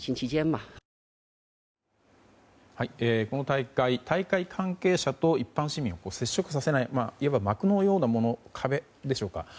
この大会、大会関係者と一般市民を接触させないいわば幕のようなもの壁でしょうか。